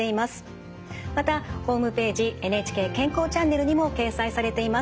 またホームページ「ＮＨＫ健康チャンネル」にも掲載されています。